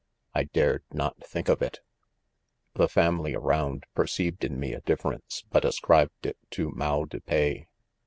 I dared not think of it !... 6 The family around, perceived in me /f a dif ference, b ut ascribed it to "mal depays."